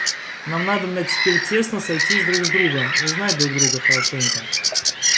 Нам надобно теперь тесно сойтись друг с другом, узнать друг друга хорошенько.